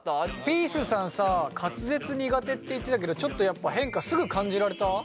ピースさんさ滑舌苦手って言ってたけどちょっと変化すぐ感じられた？